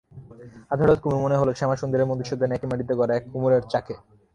আজ হঠাৎ কুমুর মনে হল শ্যামাসুন্দরী আর মধুসূদন একই মাটিতে গড়া এক কুমোরের চাকে।